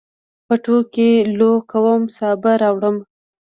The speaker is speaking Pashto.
پټو کې لو کوم، سابه راوړمه